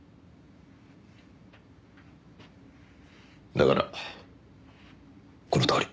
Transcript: だからこのとおり。